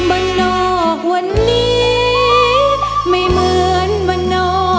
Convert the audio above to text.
ร้องได้ให้ล้าน